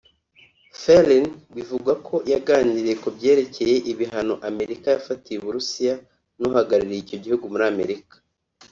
Flynn bivugwa ko yaganiriye ku byerekeye ibihano Amerika yafatiye Uburusiya n'uhagarariye icyo gihugu muri Amerika